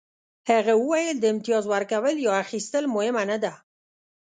هغه وویل د امتیاز ورکول یا اخیستل مهمه نه ده